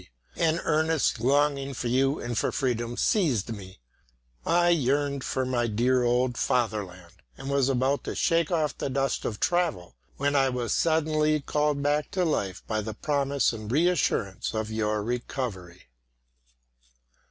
An earnest longing for you and for freedom seized me; I yearned for my dear old fatherland, and was about to shake off the dust of travel, when I was suddenly called back to life by the promise and reassurance of your recovery.